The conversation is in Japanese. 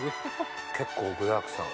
結構具だくさん。